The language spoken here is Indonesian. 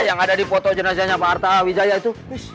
yang ada di foto jenazahnya pak arta wijaya itu